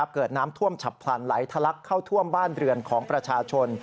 เกิดน้ำท่วมฉับพลันไหลทะลักเข้าท่วมบ้านเรือนของประชาชน